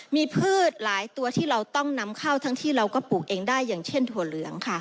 มีพืชหลายตัวที่เราต้องนำเข้าทั้งที่เราก็ปลูกเองได้อย่างเช่นถั่วเหลืองค่ะ